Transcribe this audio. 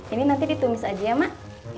ini nanti ditumis aja ya mak